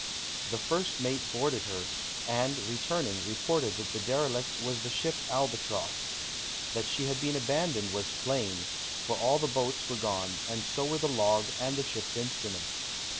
The first mate boarded her, and, returning, reported that the derelict was the ship Albatross. That she had been abandoned was plain, for all the boats were gone, and so were the log and the ship's instruments.